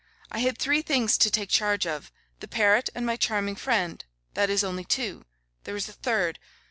I had three things to take charge of. The parrot and my charming friend; that is only two. There is a third.